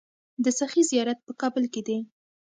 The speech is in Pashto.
د سخي زیارت په کابل کې دی